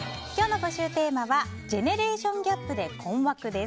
募集テーマはジェネレーションギャップで困惑です。